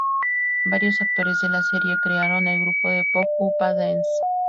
Varios actores de la serie crearon el grupo de pop Upa Dance.